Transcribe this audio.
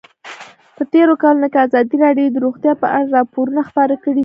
په تېرو کلونو کې ازادي راډیو د روغتیا په اړه راپورونه خپاره کړي دي.